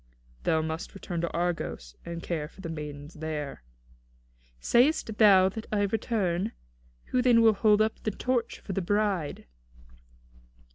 "Thou must return to Argos, and care for the maidens there." "Sayest thou that I return? Who then will hold up the torch for the bride?"